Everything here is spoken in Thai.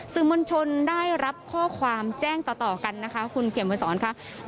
สื่อมนุชนได้รับข้อความแจ้งต่อกันคุณเขียนบริษัทธิ์ค่ะ